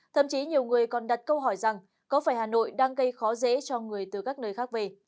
thậm chí nhiều người còn đặt câu hỏi rằng có phải hà nội đang gây khó dễ cho người từ các nơi khác về